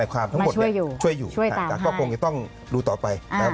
มาช่วยอยู่ช่วยตามให้ก็คงจะต้องรู้ต่อไป